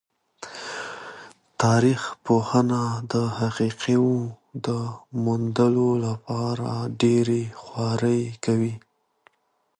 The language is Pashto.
تاریخ پوهان د حقایقو د موندلو لپاره ډېرې خوارۍ کوي.